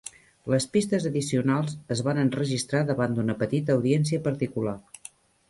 Les pistes addicionals es van enregistrar davant d'una petita audiència particular.